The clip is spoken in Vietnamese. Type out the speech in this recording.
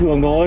vé thường thôi